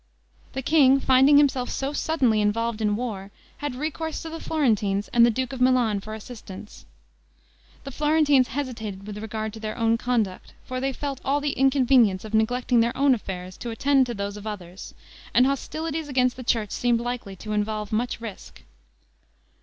The king, finding himself so suddenly involved in war, had recourse to the Florentines and the duke of Milan for assistance. The Florentines hesitated with regard to their own conduct, for they felt all the inconvenience of neglecting their own affairs to attend to those of others, and hostilities against the church seemed likely to involve much risk.